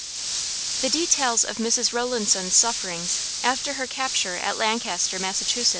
The details of Mrs. Rowlandson's sufferings after her capture at Lancaster, Mass.